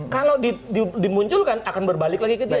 kalau dimunculkan akan berbalik lagi ke dia